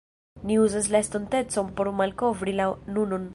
ni uzas la estontecon por malkovri la nunon.